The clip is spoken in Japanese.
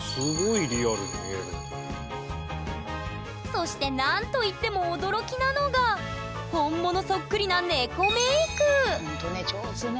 そして何といっても驚きなのが本物そっくりなほんとね上手ね。